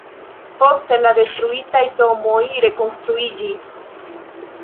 Poste la detruitaj domoj rekonstruiĝis.